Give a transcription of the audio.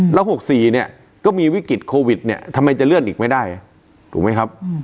แล้ว๖๔เนี่ยก็มีวิกฤตโควิดเนี่ยทำไมจะเลื่อนอีกไม่ได้ถูกไหมครับ